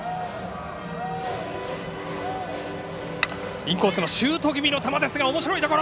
インコースのシュート気味の球おもしろいところ。